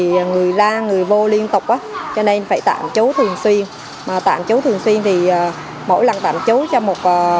vô liên tục cho nên phải tạm chú thường xuyên mà tạm chú thường xuyên thì mỗi lần tạm chú cho